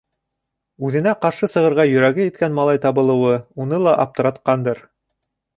Үҙенә ҡаршы сығырға йөрәге еткән малай табылыуы уны ла аптыратҡандыр.